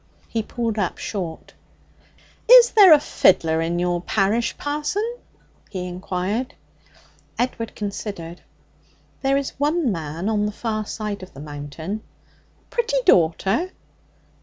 He pulled up short. 'Is there any fiddler in your parish, parson?' he inquired. Edward considered. 'There is one man on the far side of the Mountain.' 'Pretty daughter?'